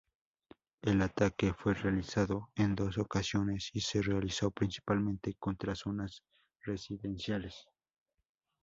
El ataque fue realizado en dos ocasiones y se realizó principalmente contra zonas residenciales.